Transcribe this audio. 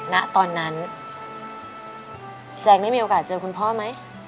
ณตอนนั้นแจงได้มีโอกาสเจอคุณพ่อไหม